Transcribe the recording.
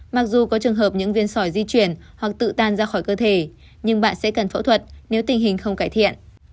mặc dù có trường hợp những viên sỏi di chuyển hoặc tự tan ra khỏi cơ thể nhưng bạn sẽ cần phẫu thuật nếu tình hình không cải thiện